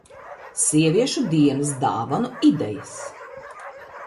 Sieviešu dienas dāvanu idejas.